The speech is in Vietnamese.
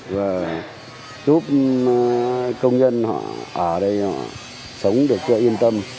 và giúp công nhân họ ở đây họ sống được cho yên tâm